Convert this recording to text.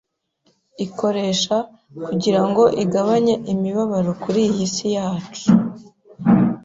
ikoresha kugira ngo igabanye imibabaro kuri iyi si yacu